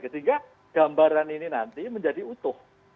sehingga gambaran ini nanti menjadi utuh